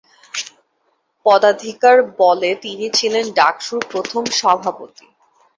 পদাধিকার বলে তিনি ছিলেন ডাকসুর প্রথম সভাপতি।